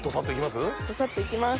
ドサっといきます？